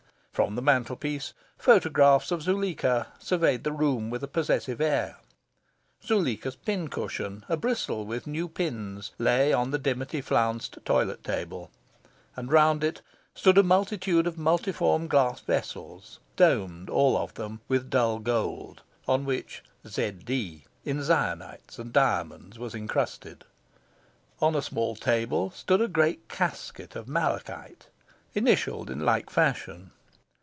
From the mantelpiece, photographs of Zuleika surveyed the room with a possessive air. Zuleika's pincushion, a bristle with new pins, lay on the dimity flounced toilet table, and round it stood a multitude of multiform glass vessels, domed, all of them, with dull gold, on which Z. D., in zianites and diamonds, was encrusted. On a small table stood a great casket of malachite, initialled in like fashion.